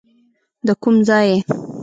د کوم ځای یې.